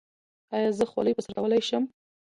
ایا زه خولۍ په سر کولی شم؟